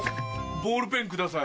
ボールペンください。